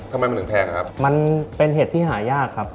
ทำไมมันถึงแพงครับมันเป็นเห็ดที่หายากครับ